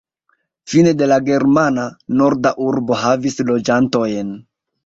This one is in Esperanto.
Fine de la germana, norda urbo havis loĝantojn.